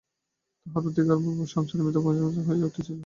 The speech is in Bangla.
তাহার অধিকারপ্রভাবেই সংসারে মিথ্যাপ্রপঞ্চ প্রবল হইয়া উঠিতেছে।